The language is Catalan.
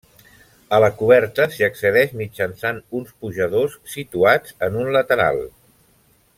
A la coberta s'hi accedeix mitjançant uns pujadors situats en un lateral.